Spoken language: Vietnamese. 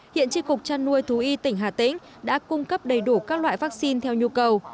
hiện tri cục trăn nuôi thú y tỉnh hà tĩnh đã cung cấp đầy đủ các loại vaccine theo nhu cầu